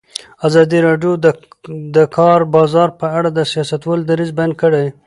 ازادي راډیو د د کار بازار په اړه د سیاستوالو دریځ بیان کړی.